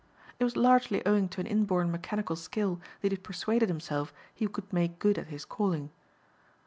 It was largely owing to an inborn mechanical skill that he had persuaded himself he could make good at his calling.